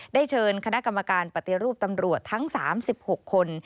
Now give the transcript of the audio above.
ได้เชิญคณะกรรมการปฏิรูปตำรวจทั้ง๓๖คน